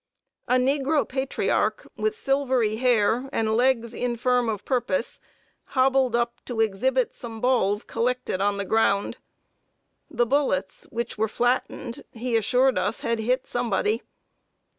A negro patriarch, with silvery hair, and legs infirm of purpose, hobbled up, to exhibit some balls collected on the ground. The bullets, which were flattened, he assured us, had "hit somebody."